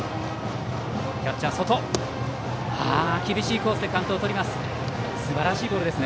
厳しいコースでカウントをとります。